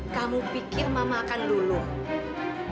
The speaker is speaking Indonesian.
kamu pikir mama akan lulung